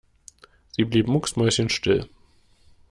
Sie blieb mucksmäuschenstill.